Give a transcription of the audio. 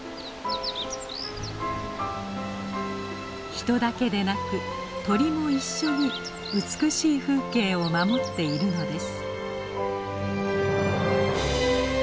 人だけでなく鳥も一緒に美しい風景を守っているのです。